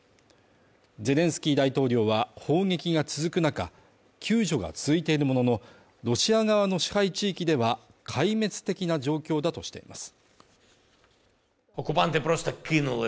ゼレンスキー大統領は、砲撃が続く中、救助が続いているものの、ロシア側の支配地域では、壊滅的な状況だとしています。